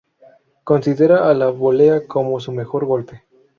Considera a la volea como su mejor golpe.